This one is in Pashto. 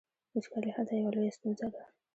وچکالي هلته یوه لویه ستونزه ده.